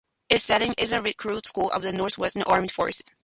Its setting is the recruit school of the Norwegian Armed Forces.